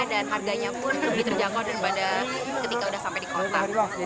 dan harganya pun lebih terjangkau daripada ketika sudah sampai di kota